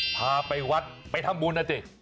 พาไปวัดไปทำบุญนะสิ